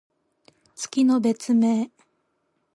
月の別名。